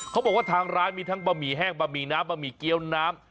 เขาบอกว่าทางร้านมีทั้งบะหมี่แห้งบะหมี่น้ำบะหมี่เกี้ยวน้ำ